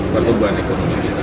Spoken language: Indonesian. pertumbuhan ekonomi kita